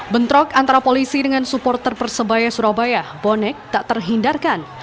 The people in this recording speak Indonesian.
bentrok antara polisi dengan supporter persebaya surabaya bonek tak terhindarkan